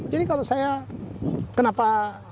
jadi kalau saya kenapa